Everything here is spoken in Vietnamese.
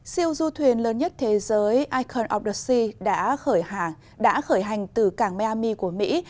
siêu du thuyền lớn nhất thế giới icon of the sea đã khởi hành từ cảng miami của mỹ